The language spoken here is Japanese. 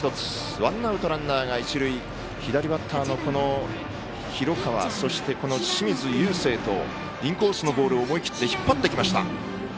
ワンアウト、ランナー、一塁左バッターの広川この清水友惺とインコースのボールを思い切って引っ張ってきました。